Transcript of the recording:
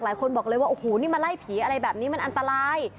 หลายคนบอกเลยว่าโอ้โหนี่มาไล่ผีอะไรแบบนี้มันอันตราย